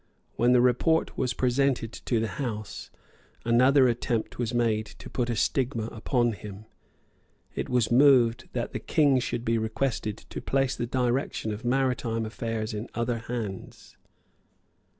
When the report was presented to the House, another attempt was made to put a stigma upon him. It was moved that the King should be requested to place the direction of maritime affairs in other hands.